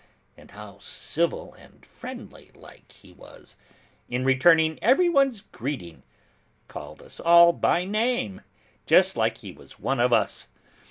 And how civil and friendly like he was, in returning everyone's greeting; called us all by name, just like he was one of us!